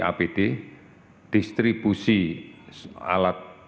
apd distribusi alat